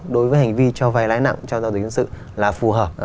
đối với hành vi cho vai lãi nặng trong giao dịch dân sự là phù hợp